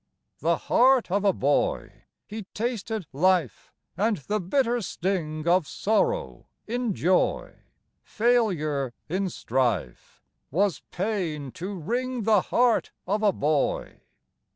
The heart of a boy! He tasted life, And the bitter sting Of sorrow in joy, Failure in strife, Was pain to wring The heart of a boy.